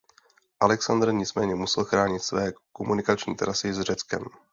Alexandr nicméně musel chránit své komunikační trasy s Řeckem.